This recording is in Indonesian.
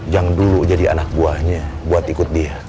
yang dulu jadi anak buahnya buat ikut dia